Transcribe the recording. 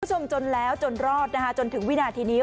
คุณผู้ชมจนแล้วจนรอดนะคะจนถึงวินาทีนี้